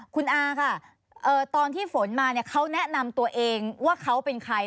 คุณอาค่ะตอนที่ฝนมาเขาแนะนำตัวเองว่าเขาเป็นใคร